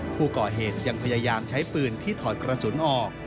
ผู้ก่อเหตุยังพยายามใช้ปืนที่ถอดกระสุนออก